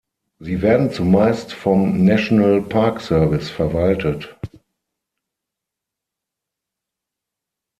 Sie werden zumeist vom National Park Service verwaltet.